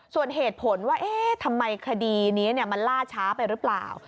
ส่วนเหตุผลว่าเอ๊ะทำไมคดีนี้มันล่าช้าไปหรือเปล่า